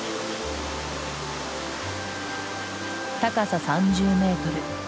高さ３０メートル。